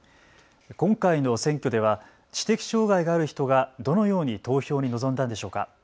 今回の選挙では知的障害がある人がどのように投票に臨んだのでしょうか。